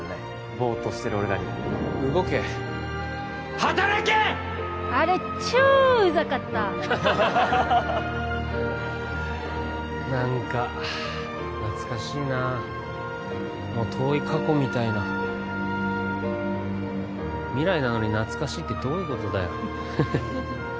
ボーッとしてる俺らに動け働け！あれ超うざかった何か懐かしいなもう遠い過去みたいな未来なのに懐かしいってどういうことだよ